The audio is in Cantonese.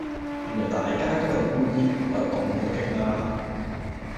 原來大家都係孤兒，唔怪得咁好傾啦